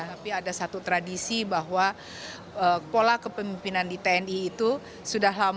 tapi ada satu tradisi bahwa pola kepemimpinan di tni itu sudah lama